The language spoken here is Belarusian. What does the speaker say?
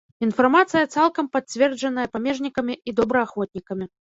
Інфармацыя цалкам пацверджаная памежнікамі і добраахвотнікамі.